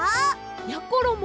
やころも